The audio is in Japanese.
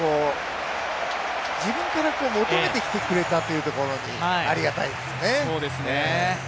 自分から求めてきてくれたというところがありがたいですね。